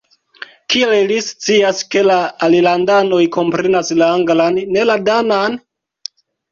Kiel ili scias, ke la alilandanoj komprenas la anglan, ne la danan?